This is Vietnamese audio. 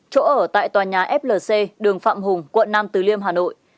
chỗ ở tại tòa nhà flc đường phạm hùng quận năm từ liêm hà nội